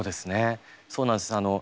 そうなんです。